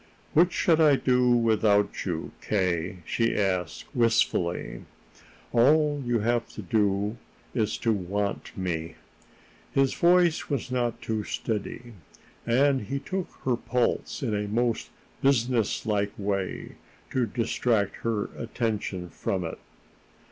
"What should I do without you, K.?" she asked wistfully. "All you have to do is to want me." His voice was not too steady, and he took her pulse in a most businesslike way to distract her attention from it.